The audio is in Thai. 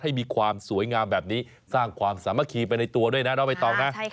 ให้มีความสวยงามแบบนี้สร้างความสามัคคีไปในตัวด้วยนะน้องใบตองนะ